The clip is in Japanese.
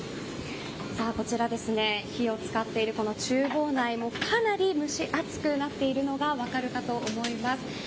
こちら火を使っている厨房内かなり蒸し暑くなっているのが分かるかと思います。